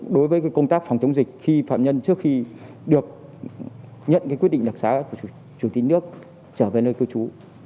đối với công tác phòng chống dịch khi phạm nhân trước khi được nhận quyết định đặc sá của chủ tịch nước trở về nơi cưu trú